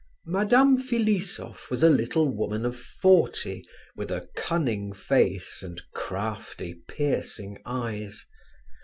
Madame Filisoff was a little woman of forty, with a cunning face, and crafty, piercing eyes.